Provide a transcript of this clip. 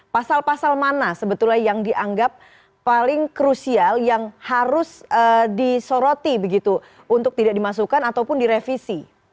pasal pasal mana sebetulnya yang dianggap paling krusial yang harus disoroti begitu untuk tidak dimasukkan ataupun direvisi